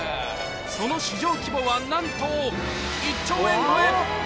その市場規模はなんと１兆円超え。